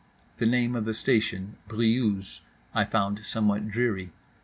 The name of the station, Briouse, I found somewhat dreary.